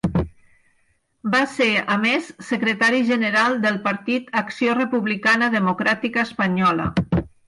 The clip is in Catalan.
Va ser, a més, secretari general del partit Acció Republicana Democràtica Espanyola.